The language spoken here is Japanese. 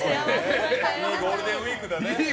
いいゴールデンウィークだね。